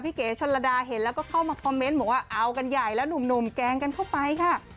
เก๋ชนระดาเห็นแล้วก็เข้ามาคอมเมนต์บอกว่าเอากันใหญ่แล้วหนุ่มแกล้งกันเข้าไปค่ะ